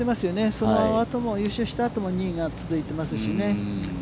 その後、優勝した後も２位が続いていますしね。